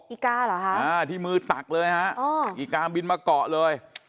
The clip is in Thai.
อีกาเหรอคะอ่าที่มือตักเลยฮะอีกาบินมาเกาะเลย